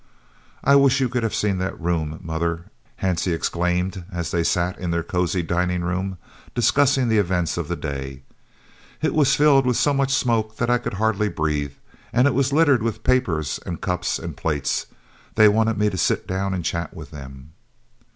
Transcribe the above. "I wish you could have seen that room, mother," Hansie exclaimed as they sat in their cosy dining room, discussing the events of the day. "It was filled with so much smoke that I could hardly breathe, and it was littered with papers and cups and plates. They wanted me to sit down and chat with them."